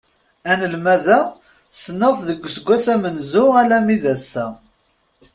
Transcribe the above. Anelmad-a ssneɣ-t deg uesggas amenzu alammi d ass-a.